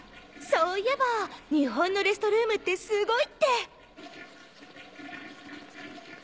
そういえば日本のレストルームってすごいって。